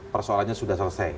persoalannya sudah selesai